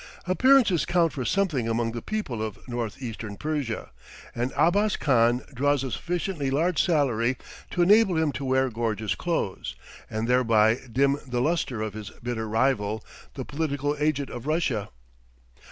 Appearances count for something among the people of Northeastern Persia, and Abbas Khan draws a sufficiently large salary to enable him to wear gorgeous clothes, and thereby dim the lustre of his bitter rival, the political agent of Russia.